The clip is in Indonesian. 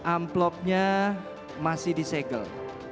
amplopnya masih disegel